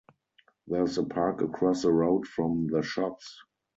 There is a park across the road from the shops.